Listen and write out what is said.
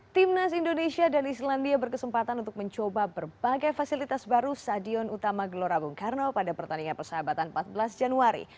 timnas indonesia dan islandia berkesempatan untuk mencoba berbagai fasilitas baru stadion utama gelora bung karno pada pertandingan persahabatan empat belas januari